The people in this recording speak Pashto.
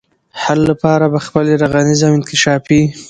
حل لپاره به خپلي رغنيزي او انکشافي